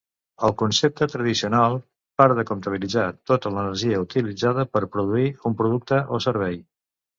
El concepte tradicional part de comptabilitzar tota l'energia utilitzada per produir un producte o servei.